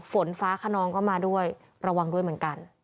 ฝนฟ้าขนองก็มาด้วยระวังด้วยเหมือนกัน